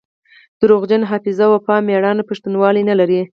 دروغجن حافظه وفا ميړانه پښتونولي نلري